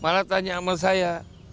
malah tanya sama saya